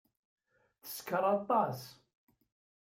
Teskeṛ aṭas.